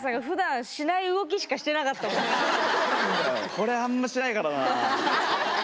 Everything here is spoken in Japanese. これあんましないからなあ。